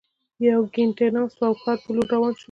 یوه ګینټه ناست وو او ښار په لور روان شولو.